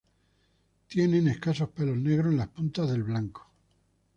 Tienen escasos pelos negros en las puntas del blanco.